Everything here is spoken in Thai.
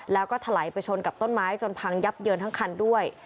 แล้วก็ถลายไปชนกับต้นไม้จนพังยับเยินทั้งคันด้วย